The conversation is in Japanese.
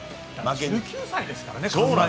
１９歳ですからね。